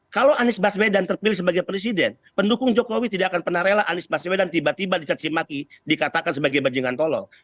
kalau anies baswedan terpilih sebagai presiden pendukung jokowi tidak akan pernah rela anies baswedan tiba tiba dicacimaki dikatakan sebagai bajingan tolol